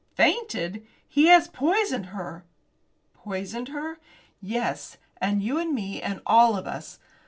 "Fainted! He has poisoned her!" "Poisoned her!" "Yes, and you and me and all of us!